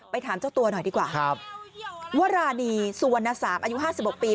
ไปถามเจ้าตัวหน่อยดีกว่าว่ารานีสวนนะ๓อายุ๕๖ปี